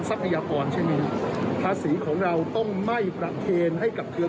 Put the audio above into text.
ทรัพยากรใช่ไหมฮะภาษีของเราต้องไม่ประเคนให้กับเครือ